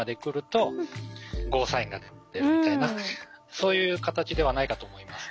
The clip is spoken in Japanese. そういう形ではないかと思います。